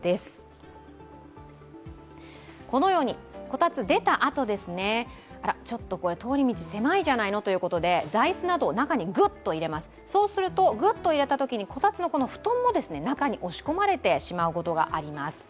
こたつを出たあとあら、ちょっと通り道狭いじゃないのということで座椅子などを中にぐっと入れます、そうするとぐっと入れたときにこたつの布団も中に押し込まれてしまうこともあります。